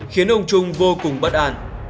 khiến ông trung vô cùng bất an